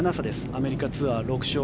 アメリカツアー６勝。